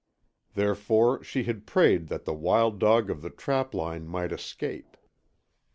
Therefore she had prayed that the wild dog of the trapline might escape.